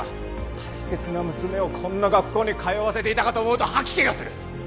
大切な娘をこんな学校に通わせていたかと思うと吐き気がする！